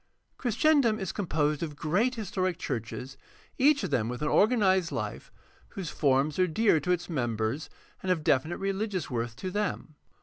Christendom is composed of great historic churches, each of them with an organized Hfe, whose forms are dear to its mem bers and of definite religious worth to them.